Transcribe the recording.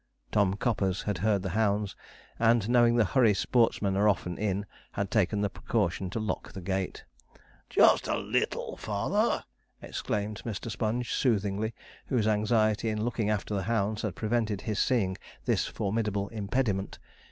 Tom Coppers had heard the hounds, and, knowing the hurry sportsmen are often in, had taken the precaution to lock the gate. 'Just a leetle farther!' exclaimed Mr. Sponge soothingly, whose anxiety in looking after the hounds had prevented his seeing this formidable impediment.